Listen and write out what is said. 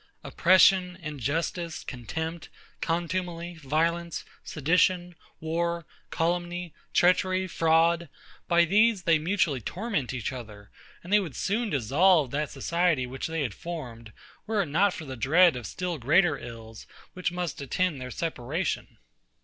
Oppression, injustice, contempt, contumely, violence, sedition, war, calumny, treachery, fraud; by these they mutually torment each other; and they would soon dissolve that society which they had formed, were it not for the dread of still greater ills, which must attend their separation.